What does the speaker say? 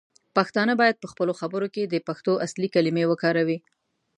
پښتانه باید پخپلو خبرو کې د پښتو اصلی کلمې وکاروي.